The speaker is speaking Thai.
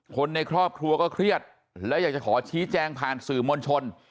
คนในครอบครัวก็เครียดและอยากจะขอชี้แจงผ่านสื่อมวลชน